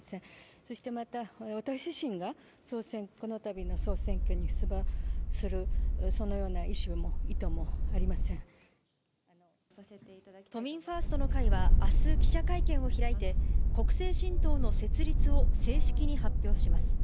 そしてまた私自身がこのたびの総選挙に出馬するそのような意思も都民ファーストの会はあす記者会見を開いて、国政新党の設立を正式に発表します。